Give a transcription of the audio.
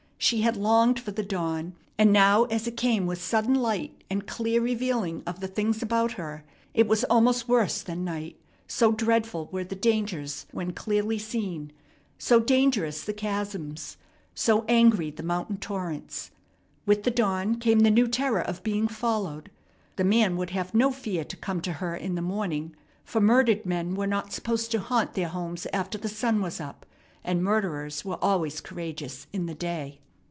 She had longed for the dawn; and now, as it came with sudden light and clear revealing of the things about her, it was almost worse than night, so dreadful were the dangers when clearly seen, so dangerous the chasms, so angry the mountain torrents. With the dawn came the new terror of being followed. The man would have no fear to come to her in the morning, for murdered men were not supposed to haunt their homes after the sun was up, and murderers were always courageous in the day.